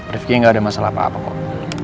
rifki nggak ada masalah apa apa kok